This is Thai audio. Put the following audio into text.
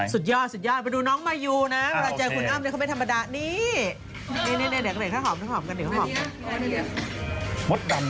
สุดยอดไปดูน้องมายูนะ